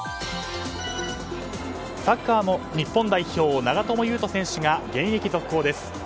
サッカー日本代表長友佑都選手が現役続行です。